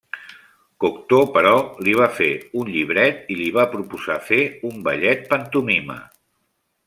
Cocteau però, li va fer un llibret i li va proposar fer un Ballet-Pantomima.